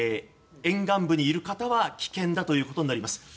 沿岸部にいる方は危険だということになります。